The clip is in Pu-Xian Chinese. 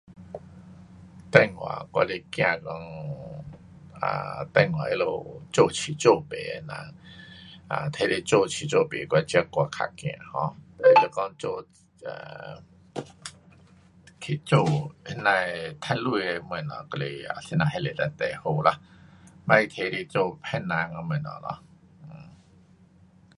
电话我是怕讲，啊，电话他们有做七做八的人，啊，提来做七做八，我这我较怕 um 若讲做，提做那样的赚钱的东西，那是非常好啦。别提来做那样的东西。